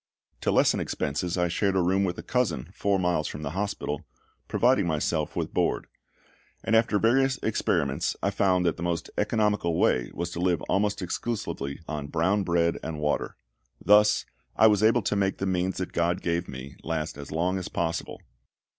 To lessen expenses I shared a room with a cousin, four miles from the hospital, providing myself with board; and after various experiments I found that the most economical way was to live almost exclusively on brown bread and water. Thus I was able to make the means that GOD gave me last as long as possible.